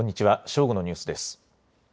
正午のニュースです。